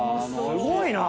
すごいな。